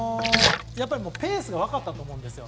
ペースが分かったと思うんですよ。